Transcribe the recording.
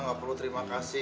gak perlu terima kasih